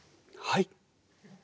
はい。